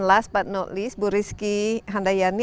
last but not least buriski handayani